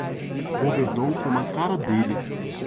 Governou como a cara dele!